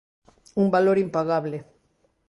Un valor impagable.